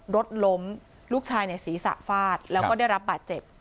รถล้มลูกชายสีสะฟาดแล้วก็ได้รับบาดเจ็บ